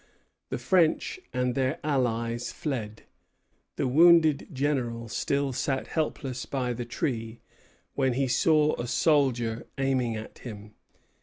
The French and their allies fled. The wounded General still sat helpless by the tree, when he saw a soldier aiming at him.